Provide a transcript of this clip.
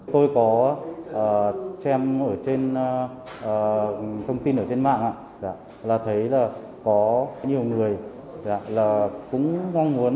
tôi có xem ở trên thông tin ở trên mạng là thấy là có nhiều người